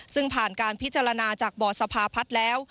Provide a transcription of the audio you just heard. ซึ่งผ่านการพิจารณาจากบ่อสภาพัฒน์แล้ว